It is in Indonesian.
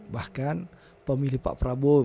bahkan pemilih pak prabowo